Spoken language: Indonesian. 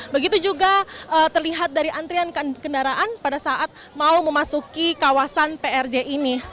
begitu juga terlihat dari antrian kendaraan pada saat mau memasuki kawasan prj ini